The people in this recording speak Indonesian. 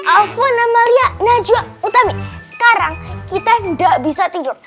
alvan amalia najwa utami sekarang kita gak bisa tidur